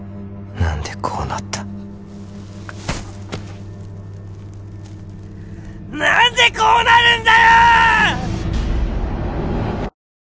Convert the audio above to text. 何でこうなった何でこうなるんだよ！